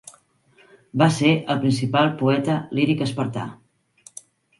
Va ser el principal poeta líric espartà.